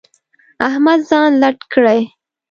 احمد ځان لټ کړی.